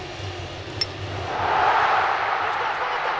レフトが深かった。